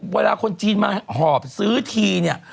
เวลาคนจีนมาหอบซื้อทีเนี่ย